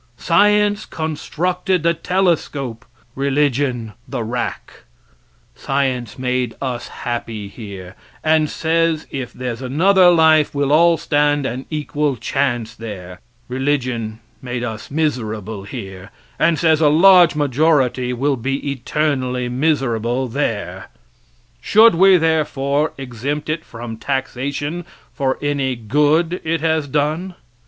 Science constructed the telescope, religion the rack; science made us happy here, and says if there's another life we'll all stand an equal chance there; religion made us miserable here, and says a large majority will be eternally miserable there. Should we, therefore, exempt it from taxation for any good it has done?